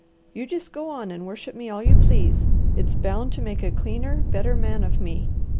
You just go on and worship me all you please. It's bound to make a cleaner, better man of me.